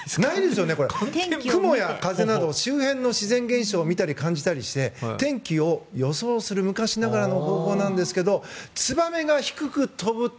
雲や風など周辺の自然現象を見たり感じたりして天気を予想する昔ながらの方法なんですけどツバメが低く飛ぶと。